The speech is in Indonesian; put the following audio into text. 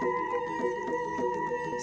sebuah tarian digelar